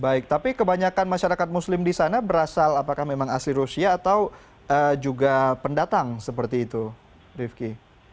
baik tapi kebanyakan masyarakat muslim di sana berasal apakah memang asli rusia atau juga pendatang seperti itu rifki